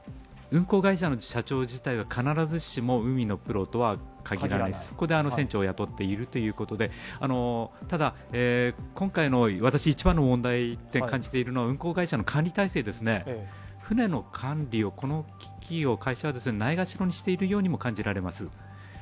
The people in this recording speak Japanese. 運航会社の社長自体は必ずしも海のプロとは限らない、そこで船長を雇っているということでただ、今回、私が一番問題点として感じているのは管理体制ですね、船の管理をこの会社はないがしろにしているようにも感じられます。